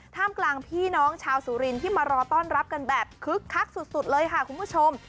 ท่ามกลางพี่น้องชาวสุรินที่มารอต้อนรับกันแบบคึกคักสุดเลยค่ะคุณผู้ชม